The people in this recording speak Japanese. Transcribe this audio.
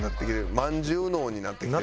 まんじゅう脳になってきてる。